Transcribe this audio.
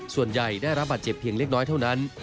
ส่วนใหญ่ได้รับบาดเจ็บเพียงเล็กน้อยเท่านั้น